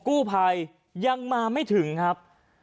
กู้ภัยยังมาไม่ถึงครับ